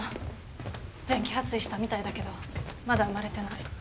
前期破水したみたいだけどまだ産まれてない。